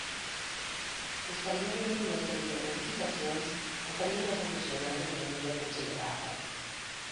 Posteriorment una sèrie de modificacions el farien evolucionar d'una manera considerable.